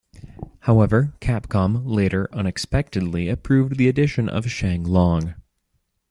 However, Capcom later unexpectedly approved the addition of Sheng Long.